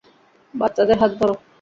বাচ্চাদের হাত ধরো।